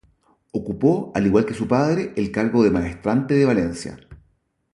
Ocupó al igual que su padre el cargo de Maestrante de Valencia.